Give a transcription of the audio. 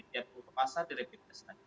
tiap mau ke pasar di rapid test lagi